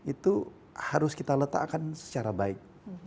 itu harus kita letakkan secara baik